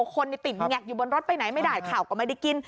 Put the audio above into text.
คนติดแงกอยู่บนรถไปไหนไม่ได้ข่าวก็ไม่ได้กิน